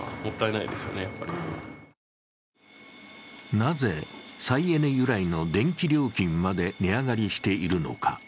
なぜ再エネ由来の電気料金まで値上がりしているのか。